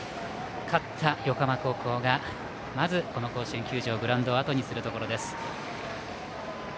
勝った横浜高校がまずこの甲子園球場グラウンドをあとにするところです。